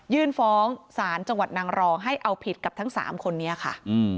ฟ้องศาลจังหวัดนางรองให้เอาผิดกับทั้ง๓คนนี้ค่ะ